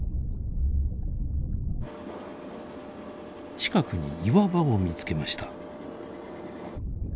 近くに岩場を見つけました。